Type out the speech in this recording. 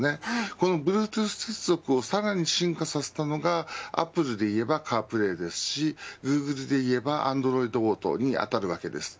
このＢｌｕｅｔｏｏｔｈ接続をさらに進化させたのがアップルでいえばカープレーですしグーグルでいえばＡｎｄｒｏｉｄＡｕｔｏに当たるわけです。